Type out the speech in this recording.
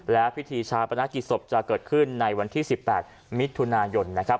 และพิธีชาปนกิจศพจะเกิดขึ้นในวันที่๑๘มิถุนายนนะครับ